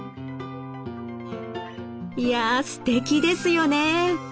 いやすてきですよね。